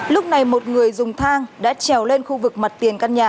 lúc này một người dùng thang đã trèo lên khu vực mặt tiền căn nhà